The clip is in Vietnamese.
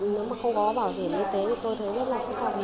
nếu mà không có bảo hiểm y tế thì tôi thấy rất là khó khăn